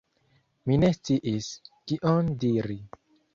Mi ne sciis, kion diri.